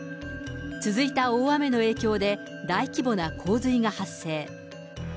続いた大雨の影響で、大規模な洪水が発生。